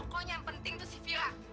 ngokoknya yang penting itu si fira